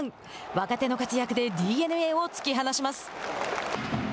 若手の活躍でＤｅＮＡを突き放します。